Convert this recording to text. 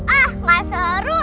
ah gak seru